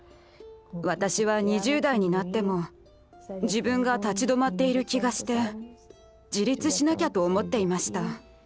私は２０代になっても自分が立ち止まっている気がして自立しなきゃと思っていました。